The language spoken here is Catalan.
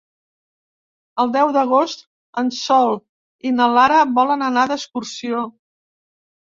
El deu d'agost en Sol i na Lara volen anar d'excursió.